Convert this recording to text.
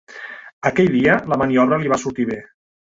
Aquell dia, la maniobra li va sortir bé.